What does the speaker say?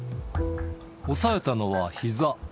おさえたのはひざ。